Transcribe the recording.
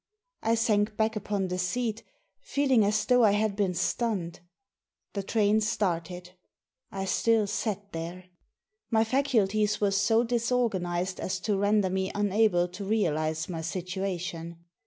I sank back upon the seat, feeling as though I had been stunned. The train started. I still sat there. My faculties were so disorganised as to render me unable to realise my situation.